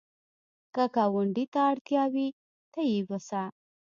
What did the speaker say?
که ګاونډي ته اړتیا وي، ته یې وسه